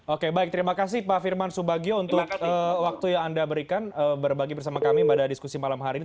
oke baik terima kasih pak firman subagio untuk waktu yang anda berikan berbagi bersama kami pada diskusi malam hari ini